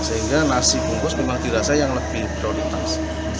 sehingga nasi bungkus memang dirasa yang lebih prioritas